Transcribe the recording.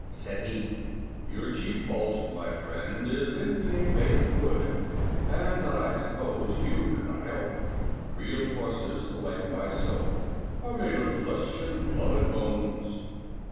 Said he: "Your chief fault, my friend, is in being made of wood, and that I suppose you cannot help. Real horses, like myself, are made of flesh and blood and bones."